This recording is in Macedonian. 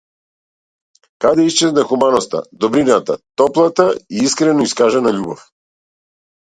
Каде исчезна хуманоста, добрината, топлата и искрено искажана љубов?